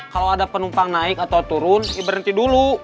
kalau ada penumpang naik atau turun berhenti dulu